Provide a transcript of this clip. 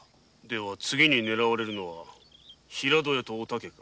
では次に狙われるのは「平戸屋とお竹」か。